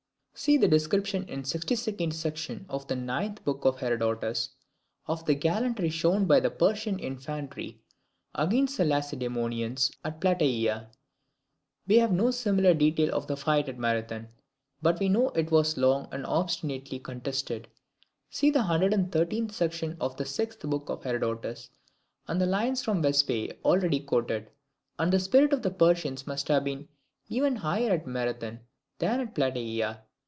[See the description, in the 62nd section of the ninth book of Herodotus, of the gallantry shown by the Persian infantry against the Lacedaemonians at Plataea. We have no similar detail of the fight at Marathon, but we know that it was long and obstinately contested (see the 113th section of the sixth book of Herodotus, and the lines from the "Vespae" already quoted), and the spirit of the Persians must have been even higher at Marathon than at Plataea.